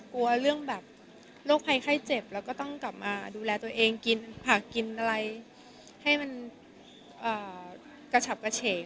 กลัวเรื่องแบบโรคภัยไข้เจ็บแล้วก็ต้องกลับมาดูแลตัวเองกินผักกินอะไรให้มันกระฉับกระเฉก